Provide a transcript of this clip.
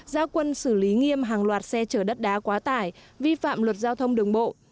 gia quân xử lý nghiêm hàng loạt xe chở đất đá quá tải vi phạm luật giao thông đường bộ